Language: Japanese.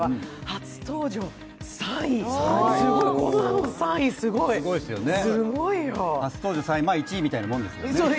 初登場３位、１位みたいなもんですよね。